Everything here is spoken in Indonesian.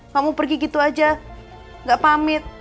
kamu pergi gitu aja gak pamit